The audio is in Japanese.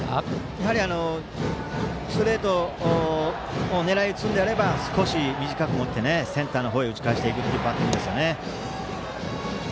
やはりストレートを狙い打つのであれば少し短く持ってセンターの方へ打ち返していくというバッティングですね。